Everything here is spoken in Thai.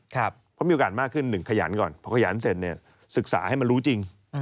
เพราะมีโอกาสมากขึ้นหนึ่งขยันก่อนพอขยันเสร็จศึกษาให้มันรู้จริง